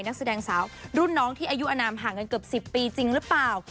นักแสดงสาวรุ่นน้องที่อายุอนามห่างกันเกือบ๑๐ปีจริงหรือเปล่า